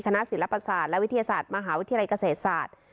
คณะศิลปศาสตร์และวิทยาศาสตร์มหาวิทยาลัยเกษตรศาสตร์